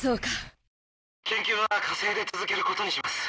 研究は火星で続けることにします」。